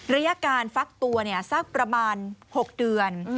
ระยะการฟักตัวสักประมาณ๖เดือน